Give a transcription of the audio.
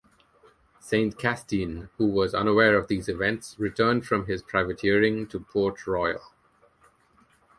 Saint-Castin, who was unaware of these events, returned from his privateering to Port Royal.